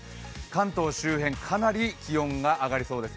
関東周辺、かなり気温が上がりそうです。